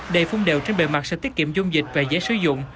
đầy phun đều trên bề mặt sẽ tiết kiệm dung dịch và dễ sử dụng